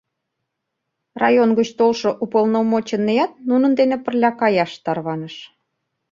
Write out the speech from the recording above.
Район гыч толшо уполномоченныят нунын дене пырля каяш тарваныш.